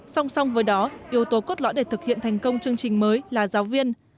song song với đó yếu tố cốt lõi để thực hiện thành công chương trình mới là giáo viên